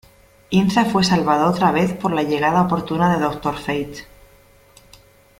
Inza fue salvado otra vez por la llegada oportuna de Doctor Fate.